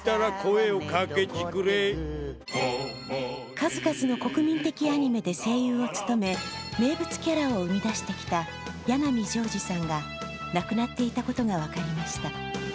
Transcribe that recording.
数々の国民的アニメで声優を務め名物キャラを生み出してきた八奈見乗児さんが亡くなっていたことが分かりました。